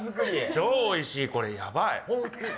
超おいしい、これやばい。